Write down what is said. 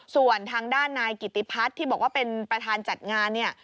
ส่วนทางด้านนายกิติพัฒน์ที่บอกว่าเป็นประธานจัดงานเนี่ย